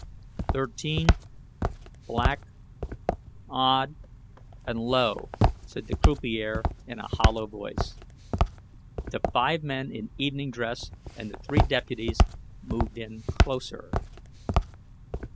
"Thirteen, Black, Odd, and Low," said the croupier in a hollow voice. The five men in evening dress and the three deputies moved in closer.